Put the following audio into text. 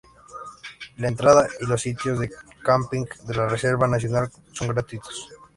La entrada y los sitios de Camping de la Reserva nacional son gratuitos.